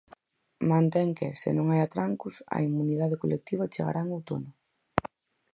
Mantén que, se non hai atrancos, a inmunidade colectiva chegará en outono.